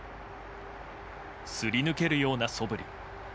すり抜けるようなそぶり。